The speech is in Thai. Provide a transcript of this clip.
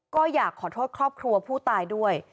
ก็อยากขอโทษครอบครัวผู้ตายด้วย